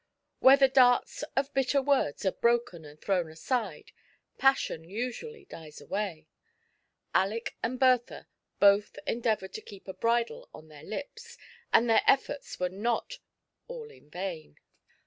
Where the darts of *' bitter words" are broken and thrown aside, passion usually dies away. Aleck and Bertha both endeavoured to keep a bridle on their lips, and their efforts were not all in vain.